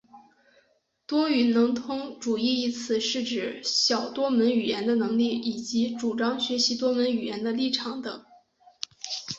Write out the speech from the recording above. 多语能通主义一词是指通晓多门语言的能力以及主张学习多门语言的立场等。